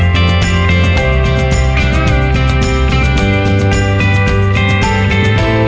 โปรดติดตามตอนต่อไป